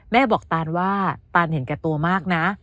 แม่บอกตานว่าตานเห็นแก่ตัวมากนะ